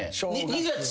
２月。